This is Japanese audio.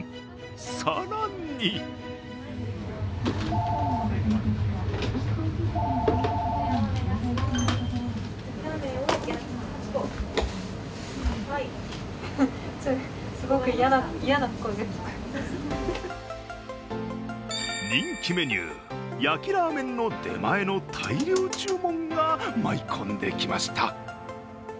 更に人気メニュー・焼きらーめんの出前の大量注文が舞い込んできました。